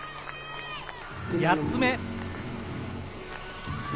８つ目。